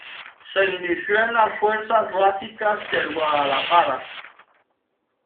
Se inició en las fuerzas básicas del Guadalajara.